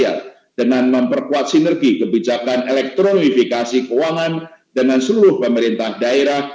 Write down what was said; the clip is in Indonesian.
dengan memperkuat sinergi kebijakan elektrolifikasi keuangan dengan seluruh pemerintah daerah